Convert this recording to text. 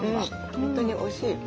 本当においしい。